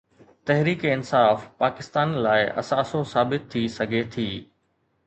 تحريڪ انصاف پاڪستان لاءِ اثاثو ثابت ٿي سگهي ٿي.